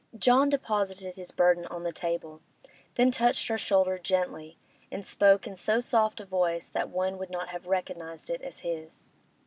John deposited his burden on the table, then touched her shoulder gently and spoke in so soft a voice that one would not have recognised it as his.